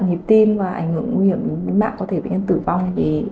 nhiệm tin và ảnh hưởng nguy hiểm mạng có thể bệnh nhân tử vong